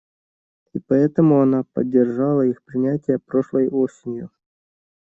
И поэтому она поддержала их принятие прошлой осенью.